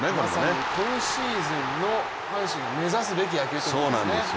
まさに今シーズンの阪神の目指すべき野球というところですね。